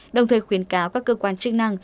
đồng thời khuyến cáo các cơ quan chức năng